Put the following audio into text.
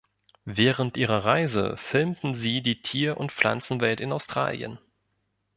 Während ihrer Reise filmten sie die Tier- und Pflanzenwelt in Australien.